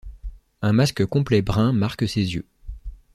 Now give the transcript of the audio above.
Un masque complet brun marque ses yeux.